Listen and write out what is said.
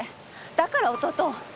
だから弟を。